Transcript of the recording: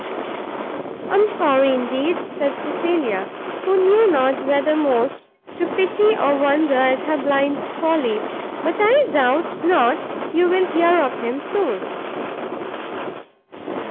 "I am sorry, indeed," said Cecilia, who knew not whether most to pity or wonder at her blind folly; "but I doubt not you will hear of him soon."